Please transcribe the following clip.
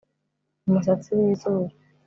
umusatsi wizuru